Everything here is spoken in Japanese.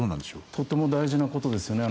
とても大事なことですよね